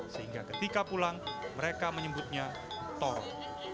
sehingga ketika pulang mereka menyebutnya torong